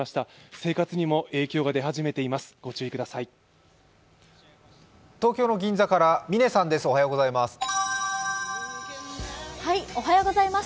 生活にも影響が出始めています。